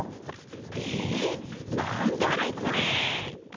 えっなんだろこれ？